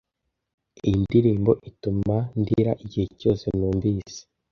Iyi ndirimbo ituma ndira igihe cyose numvise.